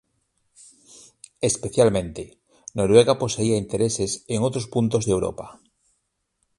Especialmente, Noruega poseía intereses en otros puntos de Europa.